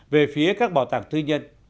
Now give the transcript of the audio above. về phía các bảo tàng tư nhân